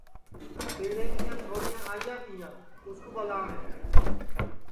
پیڑے کیاں چھوریاں آیا تیا اُس کُو ٻلاٹؔے